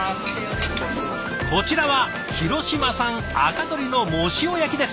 こちらは広島産赤どりの藻塩焼きですって。